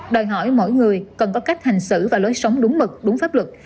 đòi hỏi mỗi người cần có cách hành xử và lối sống đúng mực đúng pháp luật